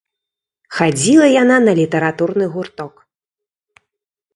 Хадзіла яна на літаратурны гурток.